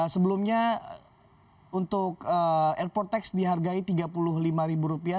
sebelumnya untuk airport tax dihargai tiga puluh lima ribu rupiah